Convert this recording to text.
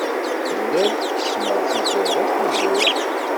Telliḍ tesmerziziɣeḍ tawwurt.